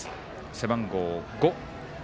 背番号５。